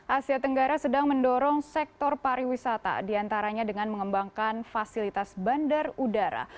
asia tenggara sedang mendorong sektor pariwisata diantaranya dengan mengembangkan fasilitas bandar udara